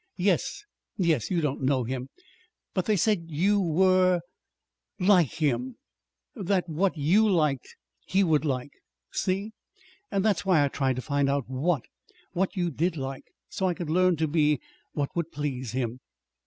"Yes. You don't know him. But they said you was were, I mean, like him; that what you liked, he would like. See? And that's why I tried to find out what what you did like, so I could learn to be what would please him."